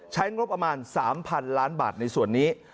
ใช้งบประมาณ๓๐๐๐ล้านบาทในส่วนนี้